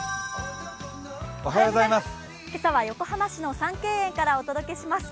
今朝は横浜市の三渓園からお届けします。